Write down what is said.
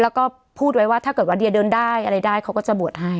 แล้วก็พูดไว้ว่าถ้าเกิดว่าเดียเดินได้อะไรได้เขาก็จะบวชให้